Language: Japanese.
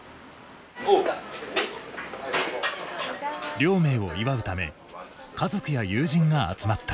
亮明を祝うため家族や友人が集まった。